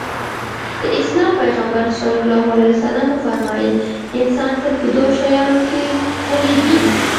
د اسلام پيغمبر ص وفرمايل انسان تل په دوو شيانو کې غولېږي.